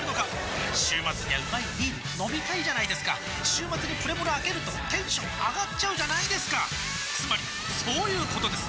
週末にはうまいビール飲みたいじゃないですか週末にプレモルあけるとテンション上がっちゃうじゃないですかつまりそういうことです！